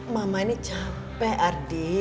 mama ini capek ardi